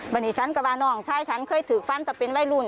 วันนี้ฉันก็ว่าน้องชายฉันเคยถือฟันแต่เป็นวัยรุ่น